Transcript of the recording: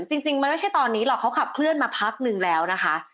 จริงมันไม่ใช่ตอนนี้หรอกเขาขับเคลื่อนมาพักนึงแล้วนะคะ